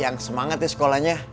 yang semangat ya sekolahnya